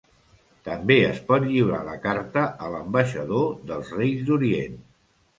També es pot lliurar la carta a l'ambaixador dels Reis d'Orient.